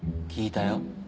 聞いたよ。